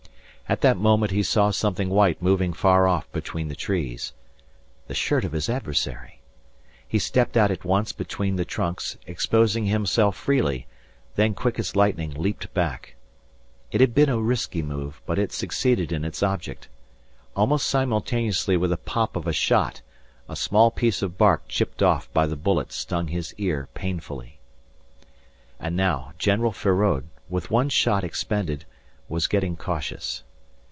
At that moment he saw something white moving far off between the trees. The shirt of his adversary. He stepped out at once between the trunks exposing himself freely, then quick as lightning leaped back. It had been a risky move, but it succeeded in its object. Almost simultaneously with the pop of a shot a small piece of bark chipped off by the bullet stung his ear painfully. And now General Feraud, with one shot expended, was getting cautious.